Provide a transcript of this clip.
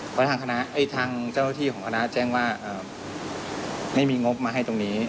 เพราะทางคณะทางเจ้าหน้าที่ของคณะแจ้งว่าไม่มีงบมาให้ตรงนี้